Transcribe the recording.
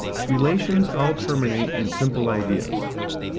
Relations all terminate in simple Ideas.